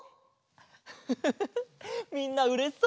フフフフフみんなうれしそう！